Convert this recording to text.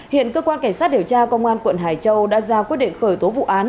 hiện cơ quan cảnh sát điều tra công an quận hải châu đã ra quyết định khởi tố vụ án